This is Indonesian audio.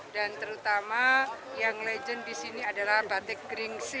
dan terutama yang legend disini adalah batik geringsi